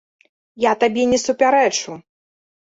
Я табе не супярэчу.